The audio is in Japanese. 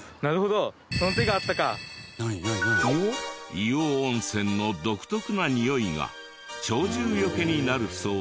硫黄温泉の独特なにおいが鳥獣除けになるそうで。